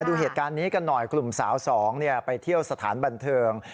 ดูเหตุการณ์นี้กันหน่อยกลุ่มสาวสองไปเที่ยวสถานบันเทิง